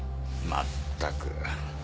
まったく。